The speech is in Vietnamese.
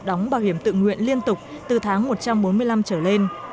đóng bảo hiểm tự nguyện liên tục từ tháng một trăm bốn mươi năm trở lên